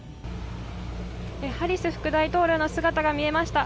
ハリス副大統領の姿が見えました。